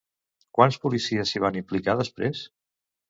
Quants policies s'hi van implicar després?